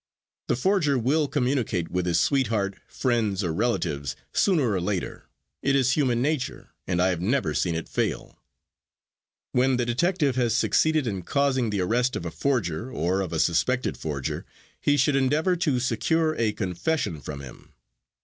The forger will communicate with his sweetheart, friends or relatives sooner or later; it is human nature and I have never seen it fail. When the detective has succeeded in causing the arrest of a forger, or of a suspected forger, he should endeavor to secure a confession from him.